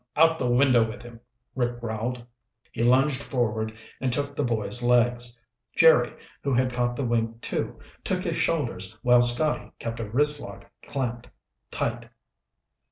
"Out the window with him," Rick growled. He lunged forward and took the boy's legs. Jerry, who had caught the wink too, took his shoulders while Scotty kept a wristlock clamped tight.